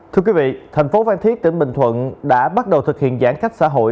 thưa quý vị thành phố phan thiết tỉnh bình thuận đã bắt đầu thực hiện giãn cách xã hội